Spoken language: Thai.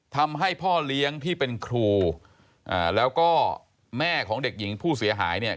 ทำให้พ่อเลี้ยงที่เป็นครูอ่าแล้วก็แม่ของเด็กหญิงผู้เสียหายเนี่ย